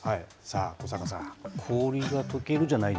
小坂さん。